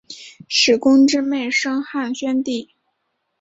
史恭之妹生汉宣帝。